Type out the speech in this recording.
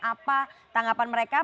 apa tanggapan mereka